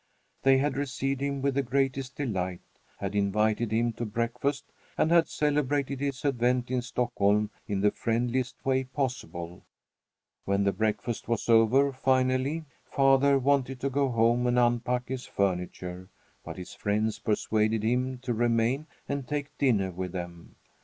They had received him with the greatest delight, had invited him to breakfast, and had celebrated his advent in Stockholm in the friendliest way possible. When the breakfast was over, finally, father wanted to go home and unpack his furniture, but his friends persuaded him to remain and take dinner with them.